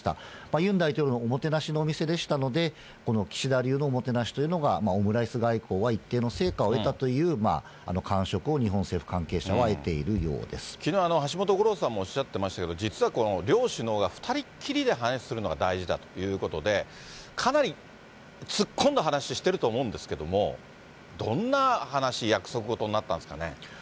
ユン大統領のおもてなしのお店でしたので、この岸田流のおもてなしというのが、オムライス外交は一定の成果を得たという感触を日本政府関係者はきのう、橋本五郎さんもおっしゃってましたけど、実はこの両首脳が２人っきりで話しするのが大事だということで、かなり突っ込んだ話をしてると思うんですけども、どんな話、約束事になったんですかね。